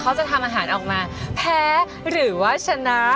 จะทำอาหารออกมาแพ้หรือว่าชนะ